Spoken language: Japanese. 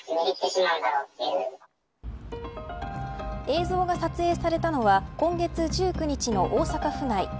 映像が撮影されたのは今月１９日の大阪府内。